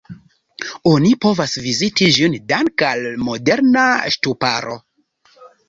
Oni povas viziti ĝin danke al moderna ŝtuparo.